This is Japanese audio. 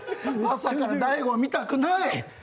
朝から大悟は見たくない。